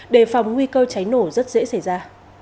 đề phòng nguy cơ cháy nổ rất dễ xảy ra